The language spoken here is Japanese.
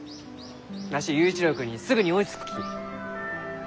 わし佑一郎君にすぐに追いつくき。